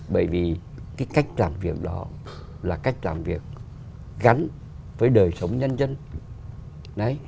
bởi vì cái cách làm việc đó là cách làm việc gắn với đời sống nhân dân